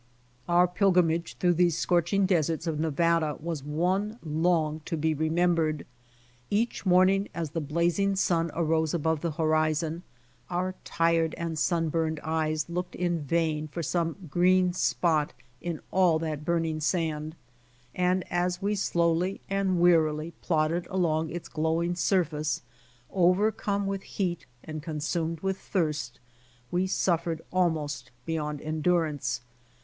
114 BY OX TEAM TO CALIFORNIA Oiar pilgrimage through these scorching deserts of Nevada was one h>ng to be remembered. Each morning as the blazing sun arose above the horizon, our tired and sunburned eyes looked in vain for some green spot in all that burning sand, and as we slowly and wearily plodded along its glowing surface, over come with heat and consumed with thirst, we suffered almost beyond endurance.